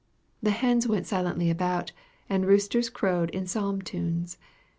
The hens went silently about, and roosters crowed in psalm tunes.